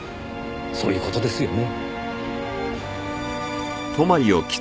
そういう事ですよね？